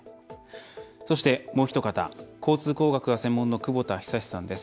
そして、もうお一方交通工学がご専門の久保田尚さんです。